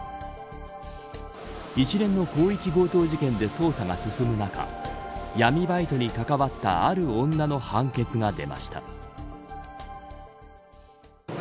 一連の広域強盗事件で捜査が進む中闇バイトに関わったある女の判決が出ました。